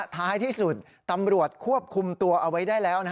ท้ายที่สุดตำรวจควบคุมตัวเอาไว้ได้แล้ว